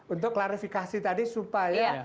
untuk klarifikasi tadi supaya